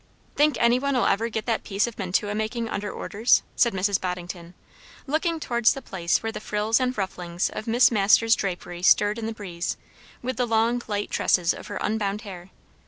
"Think any one'll ever get that piece of mantua making under orders?" said Mrs. Boddington, looking towards the place where the frills and rufflings of Miss Masters' drapery stirred in the breeze, with the long light tresses of her unbound hair.